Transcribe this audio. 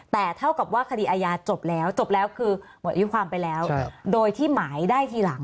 แต่เท่ากับว่าคดีอาญาจบแล้วจบแล้วคือหมดอายุความไปแล้วโดยที่หมายได้ทีหลัง